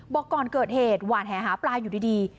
บอกก่อนเกิดเหตุหวานแหหาปลาอยู่ดี